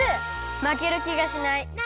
まけるきがしない！